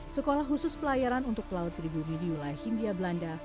sekolah khusus pelayaran untuk pelaut pribumi di wilayah hindia belanda